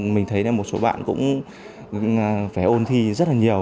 mình thấy là một số bạn cũng phải ôn thi rất là nhiều